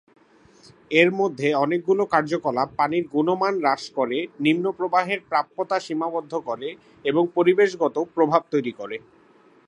এর মধ্যে অনেকগুলো কার্যকলাপ পানির গুণমান হ্রাস করে, নিম্ন প্রবাহের প্রাপ্যতা সীমাবদ্ধ করে এবং পরিবেশগত প্রভাব তৈরি করে।